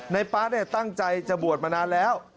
ป๊าตั้งใจจะบวชมานานแล้ว